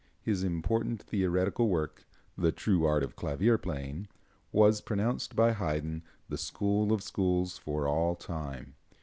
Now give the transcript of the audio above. His important theoretical work, "The True Art of Clavier Playing," was pronounced by Haydn the school of schools for all time.